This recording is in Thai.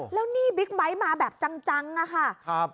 แล้วนี่บิ๊กไบท์มาแบบจังอะค่ะ